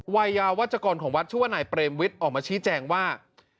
วัยยาวัชกรของวัดชื่อว่านายเปรมวิทย์ออกมาชี้แจงว่า